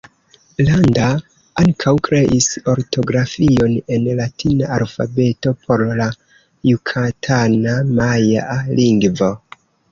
Landa ankaŭ kreis ortografion en latina alfabeto por la jukatana majaa lingvo.